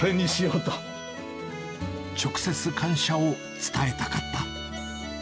直接感謝を伝えたかった。